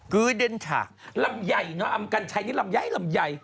คือเด้นฉากลำใหญ่เนอะอำกัญชัยนี้ลำใหญ่ลำใหญ่